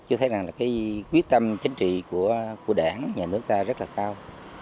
chưa thấy rằng là cái quyết tâm chính trị của đảng nhà nước ta rất là cao